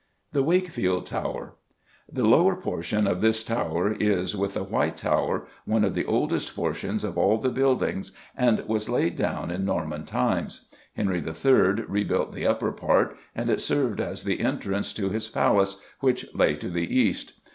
The Wakefield Tower. The lower portion of this tower is, with the White Tower, one of the oldest portions of all the buildings, and was laid down in Norman times. Henry III. rebuilt the upper part, and it served as the entrance to his palace, which lay to the east.